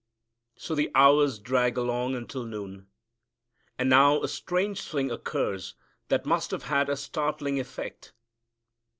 So the hours drag along until noon. And now a strange thing occurs that must have had a startling effect.